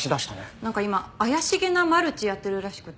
なんか今怪しげなマルチやってるらしくて。